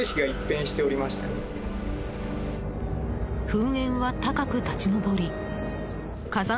噴煙は高く立ち上り火山